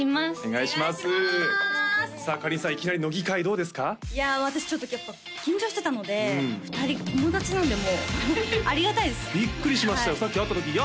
いや私ちょっとやっぱ緊張してたので２人友達なんでもうありがたいですびっくりしましたよ